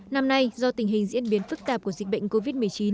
năm nay do tình hình diễn biến phức tạp của dịch bệnh covid một mươi chín